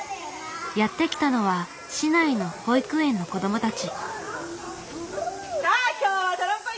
やって来たのは市内の保育園の子どもたち。